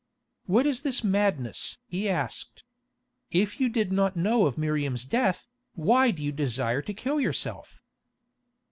"What is this madness?" he asked. "If you did not know of Miriam's death, why do you desire to kill yourself?"